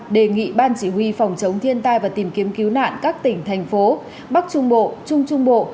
đề nghị ban chỉ huy phòng chống thiên tai và tìm kiếm cứu nạn các tỉnh thành phố bắc trung bộ trung trung bộ